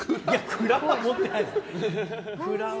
蔵は持ってないですね。